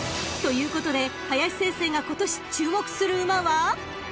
［ということで林先生が今年注目する馬は？］